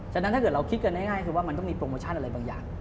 ฉะนั้นถ้าเกิดเราคิดกันง่ายคือว่ามันต้องมีโปรโมชั่นอะไรบางอย่าง